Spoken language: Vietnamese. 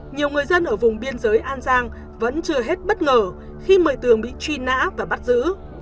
nhiều người dân ở vùng biên giới an giang vẫn chưa hết bất ngờ khi mời tường bị truy nã và bắt giữ